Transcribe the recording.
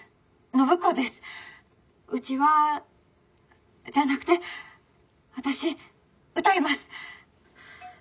うちはじゃなくて私歌います」。